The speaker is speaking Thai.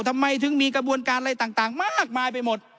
ทำไมถึงมีกระบวนการอะไรต่างมากมายไปหมด